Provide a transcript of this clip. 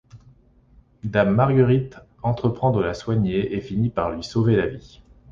Dame Marguerite entreprend de la soigner et finit par lui sauver la vie.